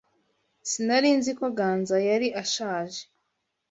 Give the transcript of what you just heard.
Sinari nzi ko Ganza yari ashaje.